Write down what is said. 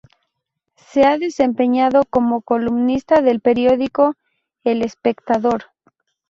Se ha desempeñado como columnista del periódico El Espectador.